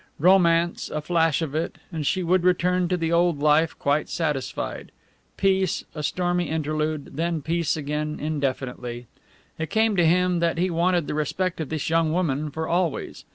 Romance a flash of it and she would return to the old life quite satisfied. Peace, a stormy interlude; then peace again indefinitely. It came to him that he wanted the respect of this young woman for always.